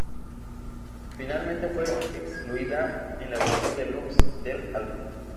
Finalmente fue incluida en la versión deluxe del álbum.